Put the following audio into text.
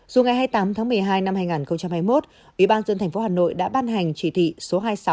dù ngày hai mươi tám tháng một mươi hai năm hai nghìn hai mươi một ủy ban dân thành phố hà nội đã ban hành chỉ thị số hai mươi sáu